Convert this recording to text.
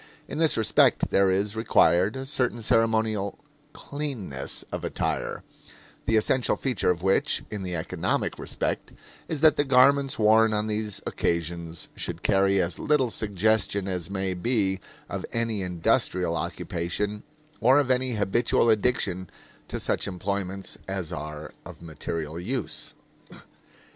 In this respect there is required a certain ceremonial "cleanness" of attire, the essential feature of which, in the economic respect, is that the garments worn on these occasions should carry as little suggestion as may be of any industrial occupation or of any habitual addiction to such employments as are of material use.